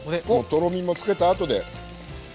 とろみもつけた後で。